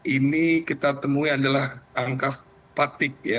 ini kita temui adalah angka fatik ya